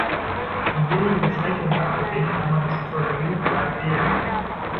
Von wenigen Beschränkungen abgesehen kann man das Pseudonym frei wählen.